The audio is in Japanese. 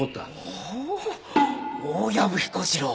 ほう大藪彦次郎！